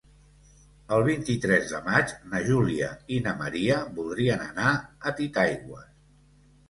El vint-i-tres de maig na Júlia i na Maria voldrien anar a Titaigües.